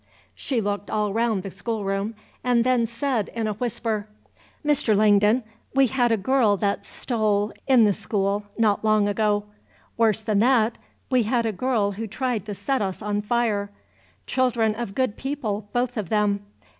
She looked all round the schoolroom, and then said, in a whisper, "Mr. Langdon, we had a girl that stole, in the school, not long ago. Worse than that, we had a girl who tried to set us on fire. Children of good people, both of them.